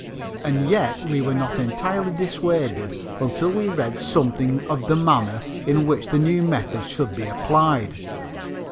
And yet we were not entirely dissuaded until we read something of the manner in which the new method should be applied.